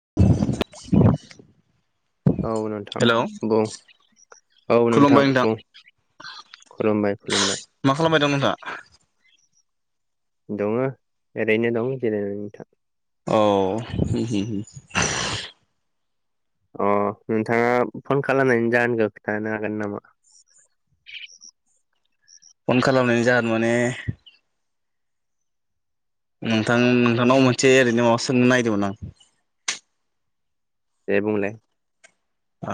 [inaudible] औ नोंथां हेलौ बुं औ नोंथां बुं खुलुमबाय खुलुमबाय मा खालामबाय दं नोंथांहा दङ ओरैनो दं जिरायनानैथां औ [unintelligible] अ नोंथाङा फन खालामनायनि जाहोनखो खिथानो हागोन नामा फन खालामनायनि जागोन माने नोंथां-नोंथांनाव मोनसे ओरैनो माबा सोंनो नायदोंमोन आं दे बुंलाय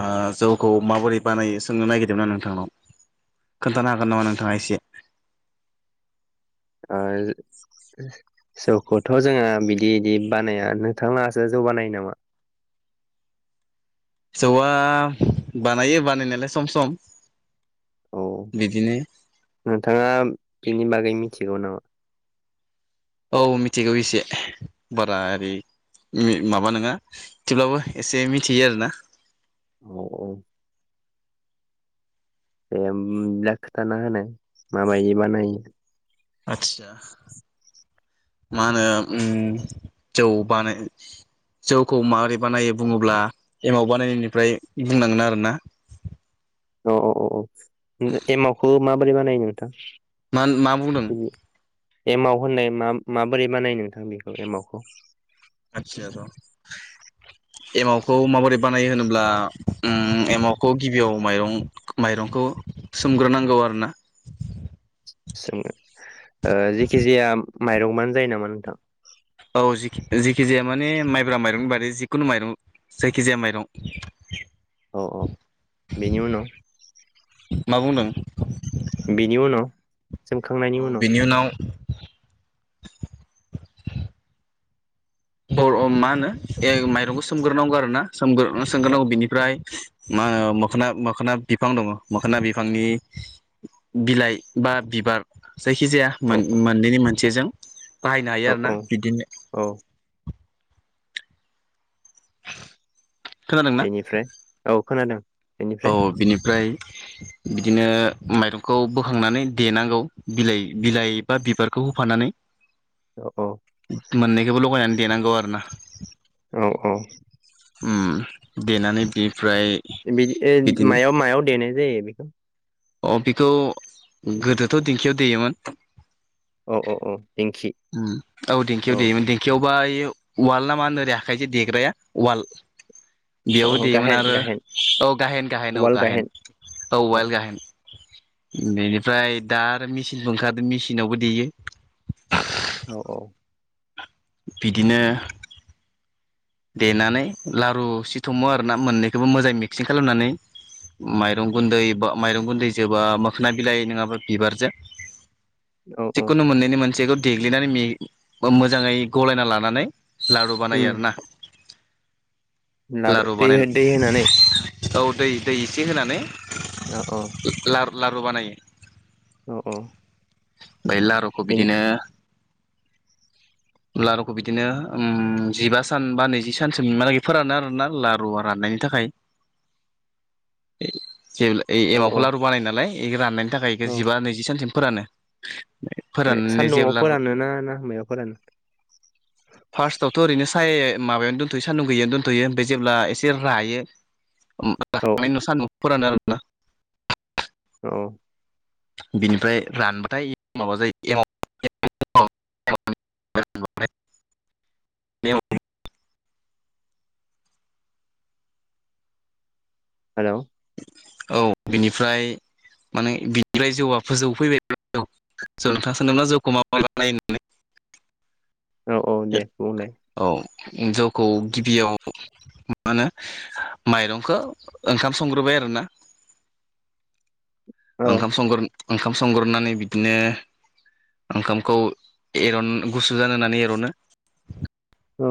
ओ जौखौ माबोरै बानायो सोंनो नागिरदोंमोन नोंथांनाव खोन्थानो हागोन नामा नोंथाङा एसे ओ जौखोथ' जोङो बिदि इदि बानाया नोंथांनासो जौ बानायो नामा जौवा बानायो बानायनायालाय सम सम औ बिदिनो नोंथाङा बिनि बागै मिथिगौ नामा औ मिथिगौ इसे बारा ओरै माबा नङा थिवब्लाबो एसे मिथियो आरोना अ औ ए ओमब्ला खोथाना होनाय माबायि बानायो आदसा मा होनो उम जौ बानो जौखौ माबोरै बानायो बुङोब्ला एमाव बानायनायनिफ्राय बुंनांगोन आरो ना अअअअ एमावखौ माबोरै बानायो नोंथां मान मा बुंदों। एमाव होननाय मा-माबोरै बानायो नोंथां बेखौ एमावखौ आतसा र' एमावखौ माबोरै बानायो होनो ब्ला उम एमावखौ गिबियाव माइरं-माइरंखौ सोमग्रोनांगौ आरोना ओ जेखिजाया माइरंबानो जायो नामा नोंथां औ जि जिखिजाया माने माइब्रा माइरं बादै जिखुनु माइरं जायखिजाया माइरं अ अ बेनि उनाव मा बुंदों बिनि उनाव औ बेनि उनाव औ ओ मा होनो ए माइरंखौ सोमग्रोनांगौ आरो ना सोमगोर औ सोमग्रोनांगौ बिनिफ्राय मा ओ मोखोना-मोखोना बिफां दङ मोखोना बिफांनि बिलाइ बा बिबार जायखिजाया औ मोन-मोननैनि मोनसेजों बाहायनो हायो औ आरोना औ बिदिनो औ खोनादोंना बेनिफ्राय औ खोनादों औ बेनिफ्राय बिनिफ्राय बिदिनो माइरंखौ बोखांनानै देनांगौ बिलाइ-बिलाइ बा बिबारखौ होफानानै औ औ मोननैखो लगायनानै देनांगौ आरो ना औ औ उ देनानै बे बिदि मायाव मायाव देनाय जायो बेखौ अ बेखौ गोदोथ' दिंखियाव देयोमोन औ औ औ दिंखि औ देंखियाव दै देंखियाव बाय वाल न मा होनोरै आखाय जों देग्राया वाल बेयावबो औ देयोमोन गाहेन आरो गाहेन औ गाहेन गाहेन औ गाहेन औ वाइल गाहेन बेनिफ्राय दा आरो मेचिनबो ओंखारादों मेचिनावबो देयो औ औ बिदिनो देनानै लारु सिथुमो आरोना मोननैखौबो मोजाङै मिक्सिं खालामनानै माइरं गुन्दै बा माइरं गुन्दै जोबा मोखोना बिलाइ नंङाबा बिबारजों औ औ सिखुन माननैनि मानसे खौ देग्लिनानै मोजांङै गलायना लानानै लारु बानायो उम आरो ना दै बानाय दै होनानै औ दै दै एसे होनानै अ औ लारु बानायो अ औ औ ओमफ्राय लारुखौ बेनि बिदिनो लारुखौ बिदिनो जिबा सान सानबा नैजि सानसो फोरानो आरोना लारुवा राननायनि थाखाय जे औ औ एमावखौलारु बानाय नालाय जेखौ राननुनि थाखाय नि थाखाय जिबा नैजि सानसिम फोरानो फोराननानै सान्दुं आव जेब्ला फोरानो ना मा याव फोरानो फार्स्टआवथ' ओरैनो साय माबायावनो दोनथ'यो सान्दुं गैयियावनो दोनथ'यो ओमफ्राय जेब्ला एसे रायो औ नानाय नि उनाव सानाव फोरानो आरो ना औ बिनिफ्राय रानबाथाय माबा जायो हेल'। औ बिनिफ्राय माने बिनिफ्राय जौआ फोजौ फैबाय जौ नोंथां सानदोंना जौखौ माबोरै बानायो होननानै। औ औ दे बुंलाय। औ जौखौ गिबियाव मा होनो माइरंखौ ओंखाम संग्रोबाय आरो। ना औ ओंखाम संग्रो ओंखाम संग्रोनानै बिदिनो ओंखामखौ एरन गुसु जानो होननानै एर'नो। औ।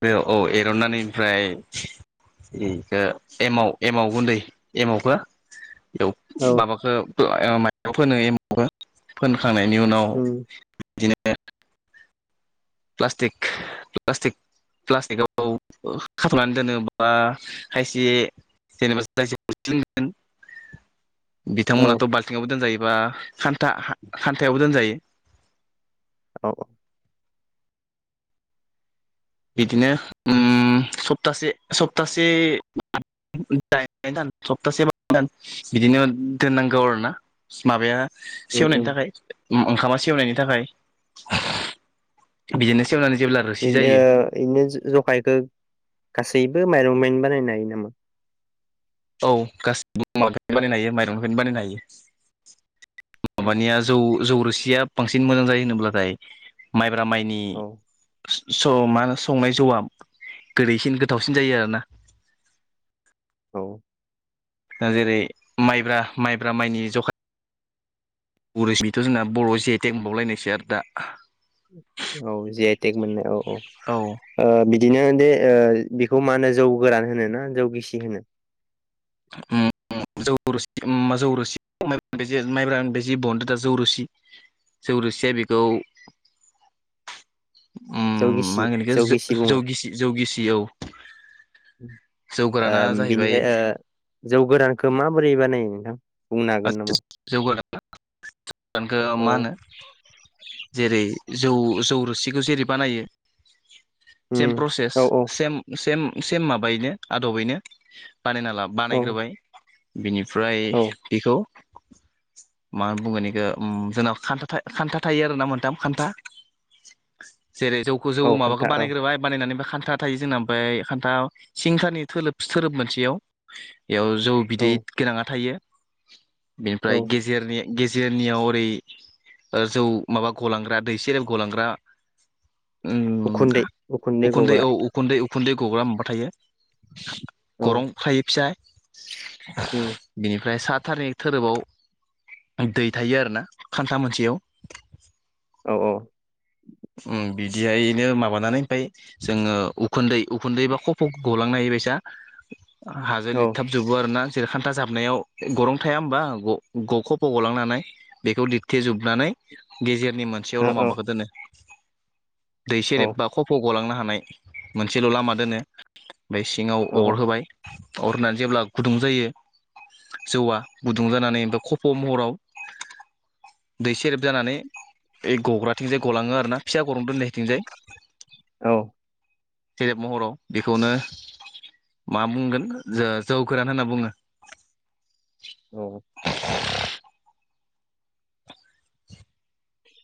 बे औ एरननानै ओमफ्राय बेखौ एमाव एमाव गुन्दै एमावखो औ बेयाव माबाखो [unintelligible] खांनायनि उनाव उम बिदिनो प्लास्टिक प्लास्तिक प्लास्टिकआव खाथ'नानै दोनोब बा खायसे जेनेबा जाय [unintelligible] औ बिथांमोनाथ' बाल्थिंआवबो दोनजायोबा खान्था खान्थायावबो दोनजायो। औ। बिदिनो ओम सप्तासे सप्तासे द दान सप्तासे दान बिदिनो दोननांगौ आरोना माबाया उम सेवनायनि उम थाखाय ओ ओंखामा सेवनायनि थाखाय बिदिनो सेवनानै जेब्ला रोसि जायो बिदिनो जखायखौ गासैबो माइरंनिफ्रायनो बानायनो हायो नामा? औ गासैबोनो बानायनो हायो माइरंनिफ्रायनो बानायनो हायो। औ माबानिया जौ जौ रोसि या बांसिन मोजां जायो होनोब्लाथाय माइ ब्रा माइनि औ सौ मा होनो संनाय जौआ गोदैसिन गोथावसिन जायो आरोना। औ। दा जेरै माइब्रा माइब्रा माइनि जखा गुरुसनिथ' जोंना बर'आव जि आइ तेग मोनबावलायनायसो आरो दा। औ जि आइ टेक मोननाय औ। ओ औ बिदिनो बे ओ बेखौ मा होनो जौ गोरान होनो ना जौ गिसि होनो? ओम जौ रोसि ओम जौ रोसि माइब्रानिफ्राय जि बनदों दा जौ रोसि जौ रोसिया बेखौ ओ जौ गिसि मा होनगोन इखो जौ जो गिसि जौ बुङो गिसि जौ गिसि औ जौ ओ गोराना बिनिफ्राय जाहैबाय ओ जौ गोरानखौ माबोरै बाना यो नोंथां? बुंनो हागोन नामा? औ [unintelligible] जेरै जौ जौ रोसिखौ जेरै बानायो सेम उम प्रसेस औ औ सेम सेम से माबायैनो आदबैनो बानायना ला औ बानायग्रोबाय बिनिफ्राय औ बेखौ मा बुंगोनखौ ओ जोंनाव था थायो आरो ना मोनथाम खान्था। जेरै जौखौ जौ औ माबाखौ खोन्था औ बानायग्रोबाय बानायनानै खान्था थायो जोंना। ओमफ्राय खान्था सिंथानि धोरोब मोनसेयाव बेयाव जौ औ बिदै गोनाङा थायो। औ बेनिफ्राय गेजेरनि गेज जोंनियाव ओरै जौ माबा गलांग्रा दैसेेरे गलांग्रा उखुन्दै उखुन्दै गग्रा औ उखुन्दै उखुन्दै गग्रा माबा थायो औ गरं थायो फिस उम बिनिफ्राय सात थारनिक धोरोबाव दै थायो आरोना खान्था मोनसेयाव। औ [inaudible] बिदिहायनो माबानानै ओमफ्राय जोङो उखुन्दै उखुन्दै बा खफ' गलांनो हायोबायसा हाजो औ ओ लिरथाब जोबो आरो ना। जेरखान्था जाबनायाव गरं थाया होमबा गखफ' गलांनो हानाय बेखौ लिरथे जोबनानै गेजेर नि औ मोनसेयावल' माबाखौ दोनो दै सेरेब बा खफ' गलांनो हानाय मोनसेल' लामा दोनो। ओमफ्राय सिङाव औ अर होबाय। अर होननानै जेब्ला गुदुं जायो जौवआ गुदुं जानानै ओमफ्राय खफ' महराव दै सेरफ जानानै बे गग्राथिंजाय गलाङो आरोना फिसा गरम दोनैथिंजाय औ। सेरेब महराव बेखौनो मा बुंगोन जौगोरान होनना बुङो। औ।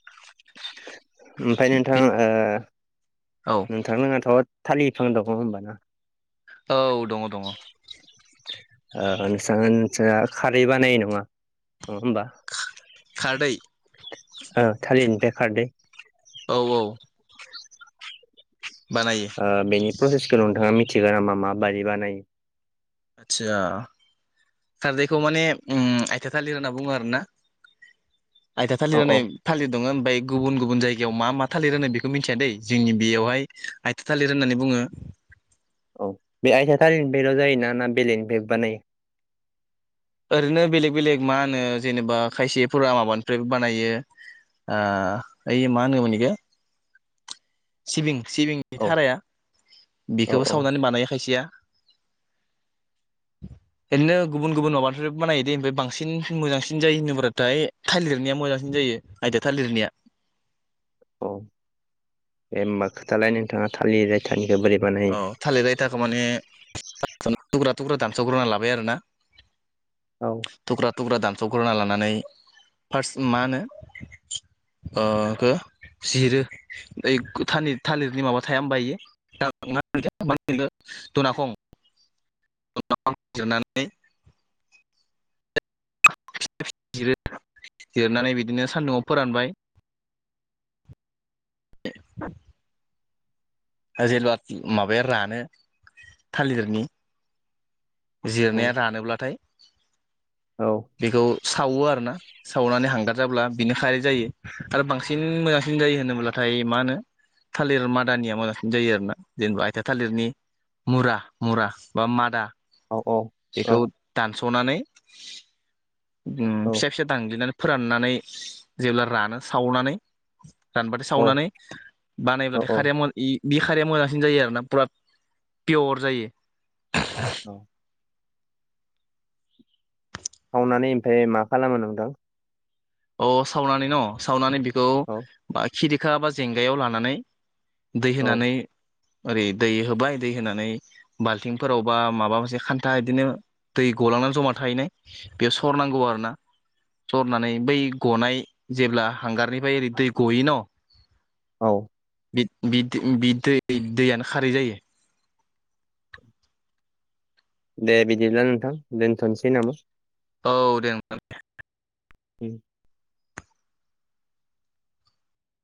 [unintelligible] ओमफ्राय नोंथां औ नोंथांनोङाथ' थालिर बिफां दं होनबा ना? औ। दङ दङ। नोंसा नोंसा खारै बानाय नङा होमबा? खारदै औ थालिरनिफ्राय खारदै औ औ। बानायो बेनि प्रसेसखौ नोंथाङा थिगोन मा माबायदि बानायो? आचसा खारदैखौ माने आयथा थालिर होनना बुङो आरोना? आइथा औ औ थालिरनाय थालिर दङ ओमफ्राय गुबुन गुबुन जायगायाव मा मा थालिर होनो बेखौ मिथिया दै जोंनि बेयावहाय आथिया थालिर होननानै बुङो। औ बे आइथा थालिरनिफायल' जायो ना बेलेगनिफायबो बानायो? ओरैनो बेलेग बेलेग मा होनो जेनेबा खायसेफोरा माबानिफ्राय बानायो ओ ओइ मा होनो मोनइखो सिबिं सिबिंनि औ थाराया औ बेखौबो औ सावनानै बानाय खायसेया ओरैनो गुबुन गुबुन माबानिफ्राय बानायो दे ओमफ्राय बांसिन मोजांसिन जायो होनोबथाय थालिरनिया मोजांसिन जायो आयथा थालिरनिया औ दे होनोमबा खोथालाय नोंथाङा थालिर आयथानि अ थालिरायथाखौ माने फासावनो थुख्रा थुख्रा दामसावग्रोना लाबाय आरो ना औ थुग्रा दानस'ग्रोना लानानै फार्स मा होनो जिरो थालिरनि माबा थाया होनबा इयो [unintelligible] दनाखं [unintelligible] जिरो जिरनानै बिदिनो सान्दुंङाव फोरानबाय। द जेबला माबाया रानो थालिरनि औ जिरनाया रानोब्लाथाय औ बेखौ सावो आरो ना सावनानै हांगार जाब्ला बिनो खायै जायो आरो बांसिन मोजांसिन जायो होनोब्लाथाय मा होनो थालिर मादानिया मोजांसिन जायो आरोना जेनेबा आथिया थालिरनि मुरा मुरा बा मादा औ औ औ बेखौ दानस'नानै उम फिसा फिसा दांनग्लिनानै फोराननानै जेब्ला रानो सावनानै रानबाथाय सावनानै औ बानायोब्लाथाय औ खारैया म इ बि खारैया मोजांसिन जायो आरोना फुरा पियर जायो [unintelligible] औ खावनानै ओमफ्राय मा खालामो नोंथां? अ सावनानै न' सावनानै बिख औ खिरिखा एबा जेंगायाव लानानै दै औ होनानै ओरै दै होबाय दै होनानै बाल्थिंफोराव बा माबा मोनसे खान्था बिदिनो दै गलांनानै जमा थाहैनाय बेयाव सरनांगौ आरोना सरनानै बै गनाय जेब्ला हांगारनिफ्राय ओरै दै गयो न' औ बि बि दै दैयानो खारै जायो दे बिदिब्ला नोंथां दोनथ'नोसै नामा? औ दे होनबा दे उम